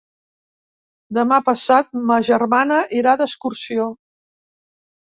Demà passat ma germana irà d'excursió.